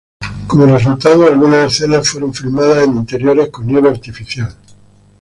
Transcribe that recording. Como resultado, algunas escenas fueron filmadas en interiores con nieve artificial.